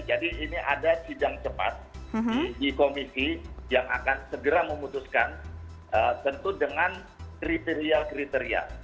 jadi ini ada sidang cepat di komisi yang akan segera memutuskan tentu dengan kriteria kriteria